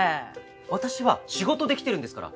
私は仕事で来てるんですから。